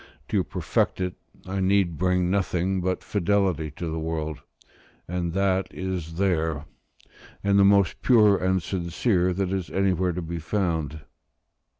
To perfect it, I need bring nothing but fidelity to the work; and that is there, and the most pure and sincere that is anywhere to be found.